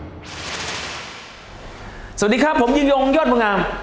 สวัสดีครับผมยืนยงยอดบูงาม